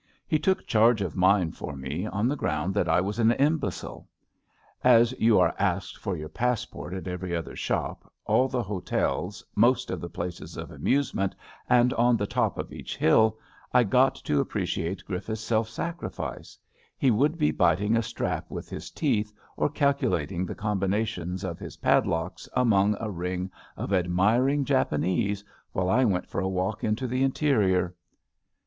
He took charge of mine for me, on the ground that I was an imbecile. As you are asked for your passport at every other shop, all the hotels, most of the places of amusement, and on the top of «ach hill, I got to appreciate Griffiths' self sacri fice. He would be biting a strap with his teeth or calculating the combinations of his padlocks •among a ring of admiring Japanese while I went for a walk into the interior.